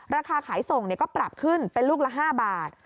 ราคาขายส่งก็ปรับขึ้นเป็นลูกละ๕บาท